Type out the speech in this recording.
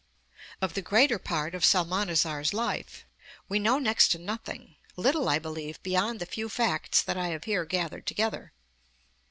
Of the greater part of Psalmanazar's life we know next to nothing little, I believe, beyond the few facts that I have here gathered together.